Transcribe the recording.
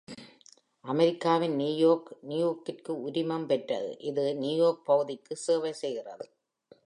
அமெரிக்காவின் நியூயார்க், நியூயார்க்கிற்கு உரிமம் பெற்றது, இது நியூயார்க் பகுதிக்கு சேவை செய்கிறது.